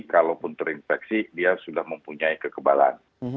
kalaupun terinfeksi dia sudah mempunyai kekebalan